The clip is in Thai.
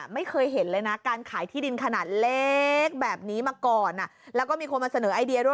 ไม่เคยเห็นเลยนะการขายที่ดินขนาดเล็กแบบนี้มาก่อนแล้วก็มีคนมาเสนอไอเดียด้วย